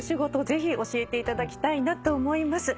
ぜひ教えていただきたいと思います。